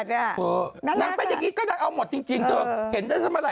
นักเป็นเงี้ยก็ได้เอาหมดจริงเธอเห็นได้เท่าไหร่แหละ